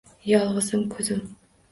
Yolg’izim, ko’zim?